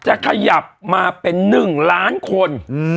จะขยับมาเป็น๑ล้านคน